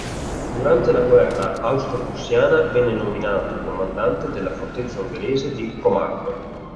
Durante la guerra austro-prussiana, venne nominato comandante della fortezza ungherese di Komárno.